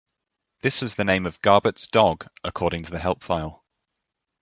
This was the name of Garbutt's dog, according to the help file.